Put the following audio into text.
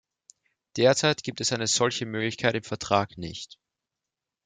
Derzeit gibt es eine solche Möglichkeit im Vertrag nicht.